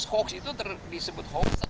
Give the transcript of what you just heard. hoax itu disebut hoax